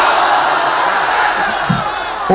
jika anda menginginkan kami dalam hal tersebut